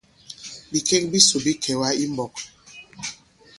Bikek bisò bi kɛ̀wà i mbɔk.